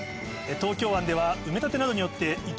東京湾では。